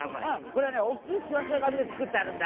これはねおっきいしわしわがみでつくってあるんだ。